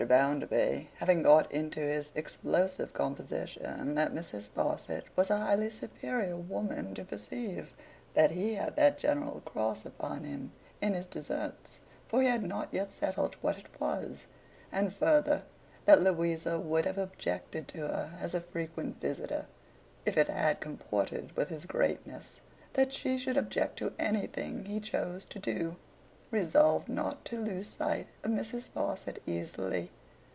Bounderby, having got it into his explosive composition that Mrs. Sparsit was a highly superior woman to perceive that he had that general cross upon him in his deserts (for he had not yet settled what it was), and further that Louisa would have objected to her as a frequent visitor if it had comported with his greatness that she should object to anything he chose to do, resolved not to lose sight of Mrs. Sparsit easily.